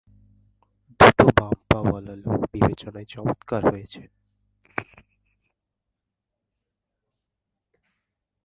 দুটো বাম পা ওয়ালা লোক বিবেচনায় চমৎকার হয়েছে।